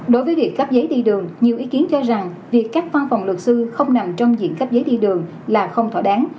đối với việc cắp giấy đi đường nhiều ý kiến cho rằng việc cắp phòng luật sư không nằm trong diện cắp giấy đi đường là không thỏa đáng